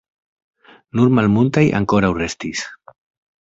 Nur malmultaj ankoraŭ restis.